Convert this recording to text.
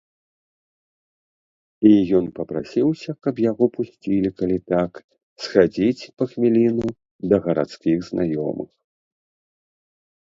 І ён папрасіўся, каб яго пусцілі, калі так, схадзіць па хвіліну да гарадскіх знаёмых.